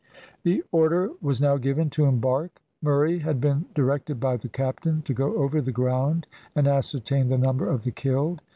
The order was now given to embark. Murray had been directed by the captain to go over the ground and ascertain the number of the killed.